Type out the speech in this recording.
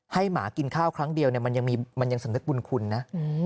ให้หมากินข้าวครั้งเดียวเนี่ยมันยังมีมันยังสนุกบุญคุณนะ